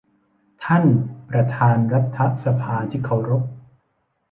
ท่านประธานรัฐสภาที่เคารพ